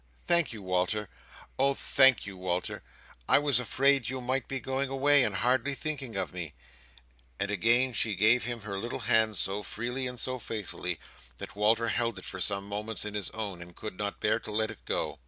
"Thank you, Walter! Oh thank you, Walter! I was afraid you might be going away and hardly thinking of me;" and again she gave him her little hand so freely and so faithfully that Walter held it for some moments in his own, and could not bear to let it go.